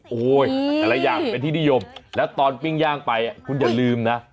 โอ้โหแต่ละอย่างเป็นที่นิยมแล้วตอนปิ้งย่างไปคุณอย่าลืมนะ